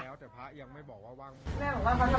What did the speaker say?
ก็ไปบอกกับเจ้านายแล้วก็แกก็โอเคเหลือจะทำบุญแล้ว